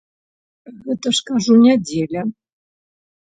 Гэта ж, кажу, нядзеля.